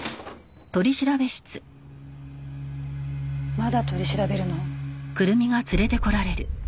まだ取り調べるの？